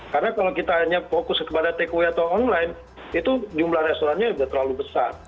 karena kalau kita hanya fokus kepada takeaway atau online itu jumlah restorannya sudah terlalu besar